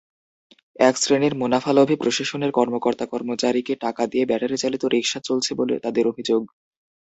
একশ্রেণির মুনাফালোভী প্রশাসনের কর্মকর্তা-কর্মচারীকে টাকা দিয়ে ব্যাটারিচালিত রিকশা চলছে বলে তাদের অভিযোগ।